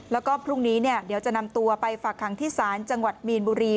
แล้วก็พรุ่งนี้เดี๋ยวจะนำตัวไปฝากคังที่ศาลจังหวัดมีนบุรี